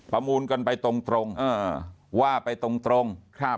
ประมูลกันไปตรงว่าไปตรง